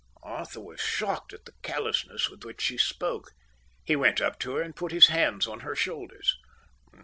Arthur was shocked at the callousness with which she spoke. He went up to her and put his hands on her shoulders.